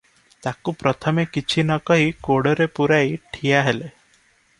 ତାକୁ ପ୍ରଥମେ କିଛି ନକହି କୋଡ଼ରେ ପୂରାଇ ଠିଆ ହେଲେ ।